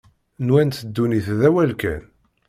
Nwant ddunit d awal kan.